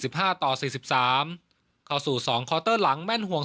ห้าต่อสี่สิบสามเข้าสู่สองคอเตอร์หลังแม่นห่วง